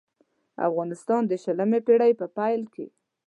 افغانستان د شلمې پېړۍ په پېل کې.